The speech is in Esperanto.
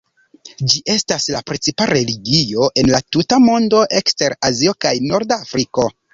Ĝi estas la precipa religio en la tuta mondo ekster Azio kaj norda Afriko.